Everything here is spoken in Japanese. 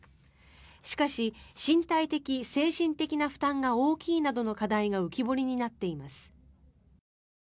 しかし、身体的・精神的な負担が大きいなどの課題が浮き彫りになっています。